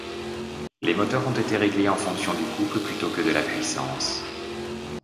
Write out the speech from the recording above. Les moteurs ont été réglés en fonction du couple plutôt que de la puissance.